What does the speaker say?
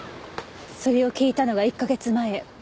それを聞いたのが１か月前。